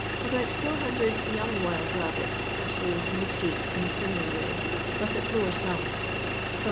About 400 young wild rabbits are sold in the street in a similar way, but at lower sums, fr^m dd.